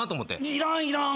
いらんいらん。